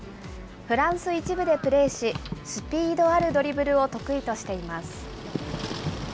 フランス１部でプレーし、スピードあるドリブルを得意としています。